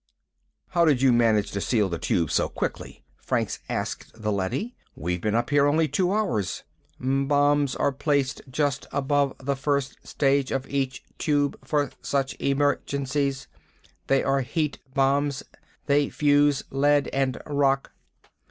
"How did you manage to seal the Tube so quickly?" Franks asked the leady. "We've been up here only two hours." "Bombs are placed just above the first stage of each Tube for such emergencies. They are heat bombs. They fuse lead and rock."